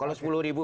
kalau sepuluh ribu